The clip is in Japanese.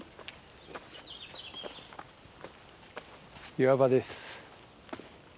岩場です。